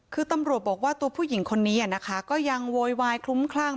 คือตำรวจบอกว่าตัวผู้หญิงคนนี้นะคะก็ยังโวยวายคลุ้มคลั่ง